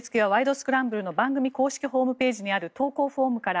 スクランブル」の番組公式ホームページにある投稿フォームから。